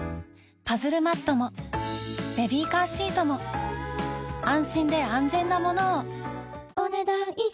パズルマットもベビーカーシートも安心で安全なものをお、ねだん以上。